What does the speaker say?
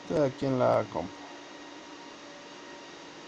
En esos meses, solo hay una claridad azulada cerca del mediodía.